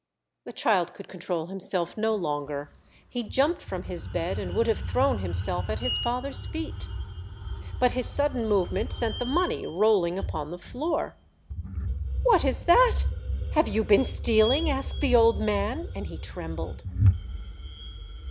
The child could control himself no longer. He jumped from his bed and would have thrown himself at his father's feet. But his sudden move ment sent the money rolling upon the floor. The Boy Spy. 33 "What is that? Have you been stealing?" asked the old man, and he trembled.